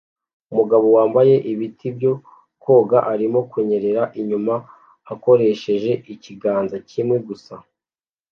Umugabo wambaye ibiti byo koga arimo kunyerera inyuma akoresheje ikiganza kimwe gusa